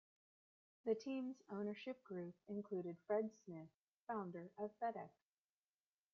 The team's ownership group included Fred Smith, founder of FedEx.